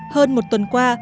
hơn một tuần qua